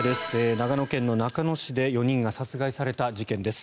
長野県中野市で４人が殺害された事件です。